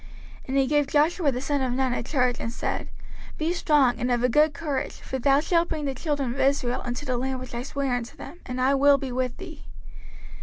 05:031:023 And he gave Joshua the son of Nun a charge, and said, Be strong and of a good courage: for thou shalt bring the children of Israel into the land which I sware unto them: and I will be with thee.